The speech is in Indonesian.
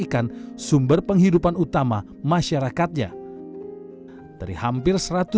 walaupun dataran tinggi